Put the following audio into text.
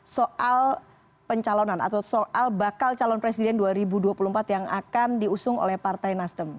soal pencalonan atau soal bakal calon presiden dua ribu dua puluh empat yang akan diusung oleh partai nasdem